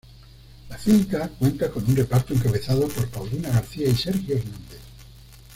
La cinta cuenta con un reparto encabezado por Paulina García y Sergio Hernández.